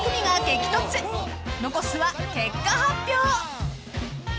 ［残すは結果発表］